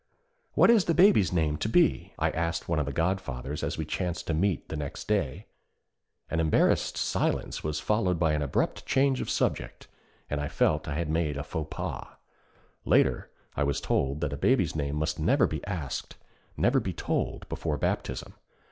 'What is the Baby's name to be?' I asked one of the godfathers, as we chanced to meet the next day. An embarrassed silence was followed by an abrupt change of subject, and I felt that I had made a faux pas. Later, I was told that a baby's name must never be asked, never be told, before baptism.